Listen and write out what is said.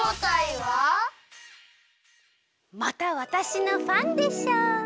またわたしのファンでしょう。